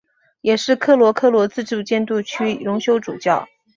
也是科罗科罗自治监督区荣休主教。